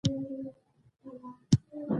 دلته د بیګرام لرغونی ښار و